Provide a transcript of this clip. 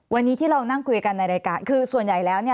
วันนี้ที่เรานั่งคุยกันในรายการคือส่วนใหญ่แล้วเนี่ย